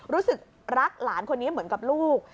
รู้สึกรักหลานคนนี้เหมือนกับลูก